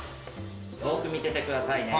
よーく見ててくださいね。